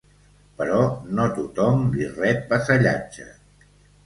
Però no tothom li ret vassallatge.